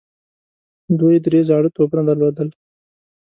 دوی درې زاړه توپونه درلودل.